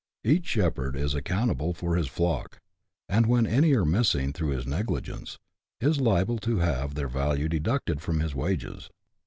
Each shepherd is account able for his flock ; and when any are missing through his negli gence, is liable to have their value deducted from his wages.